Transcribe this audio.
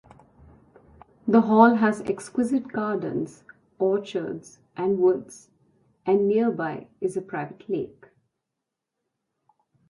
The hall has exquisite gardens, orchards and woods, and nearby is a private lake.